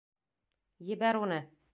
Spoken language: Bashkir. Ебәр уны!